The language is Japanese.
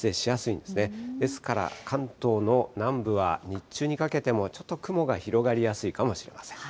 ですから関東の南部は、日中にかけても、ちょっと雲が広がりやすいかもしれません。